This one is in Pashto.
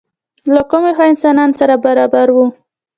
له کومې خوا انسانان سره برابر وو؟